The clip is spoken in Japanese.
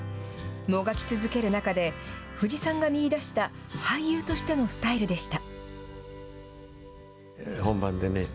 もがき続ける中で、藤さんが見いだした俳優としてのスタイルでした。